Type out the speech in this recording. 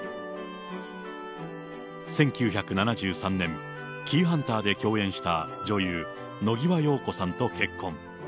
１９７３年、キイハンターで共演した女優、野際陽子さんと結婚。